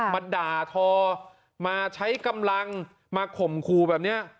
มาด่าทอมาใช้กำลังมาข่มขู่แบบนี้